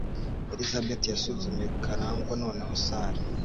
Elisabeth yasuzumye Karangwa noneho Sarah.